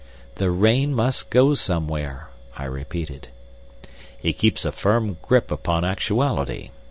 "The rain must go somewhere," I repeated. "He keeps a firm grip upon actuality.